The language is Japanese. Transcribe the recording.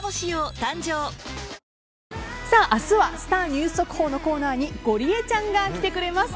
ニュース速報のコーナーにゴリエちゃんが来てくれます。